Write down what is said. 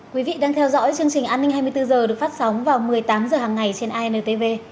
quý vị đang theo dõi chương trình an ninh hai mươi bốn h được phát sóng vào một mươi tám h hàng ngày trên intv